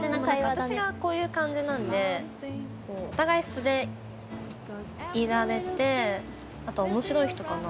私がこういう感じなんでお互い素でいられてあとは面白い人かな。